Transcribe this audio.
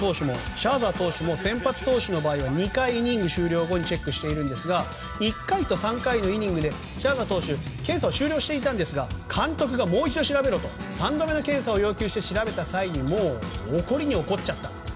シャーザー投手も２回イニング終了後にチェックしているんですが１回と３回のイニングでシャーザー投手は検査は終了していたんですが監督がもう一度調べろと３度目の検査をした際には怒りに怒っちゃった。